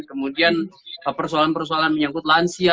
kemudian persoalan persoalan menyangkut lansia